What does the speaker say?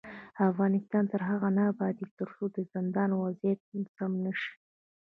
افغانستان تر هغو نه ابادیږي، ترڅو د زندانونو وضعیت سم نشي.